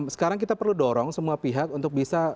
sekarang kita perlu dorong semua pihak untuk bisa